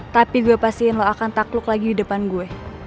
tapi gue pastiin lo akan takluk lagi di depan gue